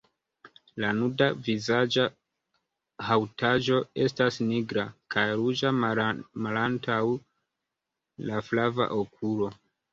La nuda vizaĝa haŭtaĵo estas nigra, kaj ruĝa malantaŭ la flava okulo.